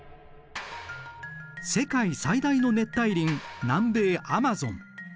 世界最大の熱帯林南米アマゾン。